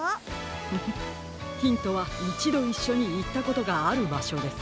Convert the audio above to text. フフッヒントはいちどいっしょにいったことがあるばしょです。